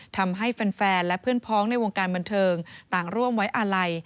ทำให้แฟนและเพื่อนพ้องในวงการบันเทิงต่างร่วมไว้อาลัย